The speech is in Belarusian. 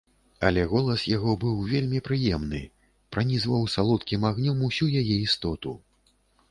Але голас яго быў вельмі прыемны, пранізваў салодкім агнём усю яе істоту.